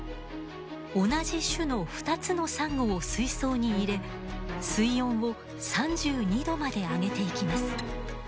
同じ種の２つのサンゴを水槽に入れ水温を３２℃まで上げていきます。